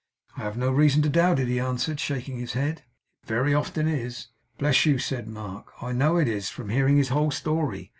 'I have no reason to doubt it,' he answered, shaking his head 'It very often is.' 'Bless you,' said Mark, 'I know it is, from hearing his whole story.